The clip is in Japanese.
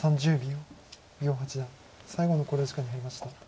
余八段最後の考慮時間に入りました。